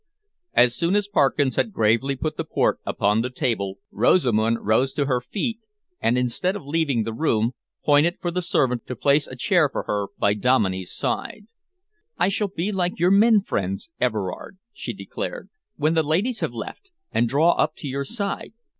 As soon as Parkins had gravely put the port upon the table, Rosamund rose to her feet and, instead of leaving the room, pointed for the servant to place a chair for her by Dominey's side. "I shall be like your men friends, Everard," she declared, "when the ladies have left, and draw up to your side.